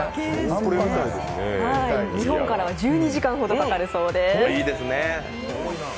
日本からは１２時間ほどかかるそうです。